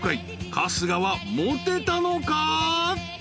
春日はモテたのか？］